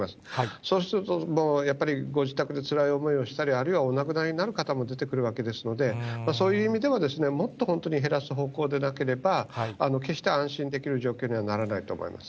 そうすると、もうやっぱり、ご自宅でつらい思いをしたり、あるいはお亡くなりになる方も出てくるわけですので、そういう意味でも、もっと、本当に減らす方向でなければ、決して安心できる状況にはならないと思います。